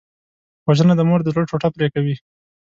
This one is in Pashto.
وژنه د مور د زړه ټوټه پرې کوي